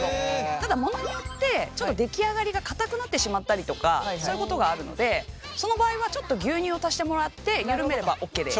ただものによってちょっと出来上がりがかたくなってしまったりとかそういうことがあるのでその場合はちょっと牛乳を足してもらってゆるめればオッケーです。